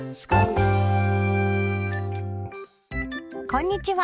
こんにちは。